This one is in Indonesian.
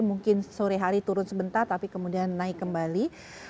mungkin sore hari turun sebentar tapi kemudian naik kembali